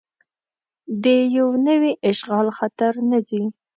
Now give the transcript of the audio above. د یو نوي اشغال خطر نه ځي.